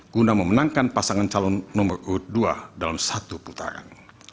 guna memenangkan pasangan calon nomor urut dua dalam satu putaran